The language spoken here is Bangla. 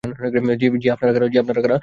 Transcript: জি, আপনারা কারা?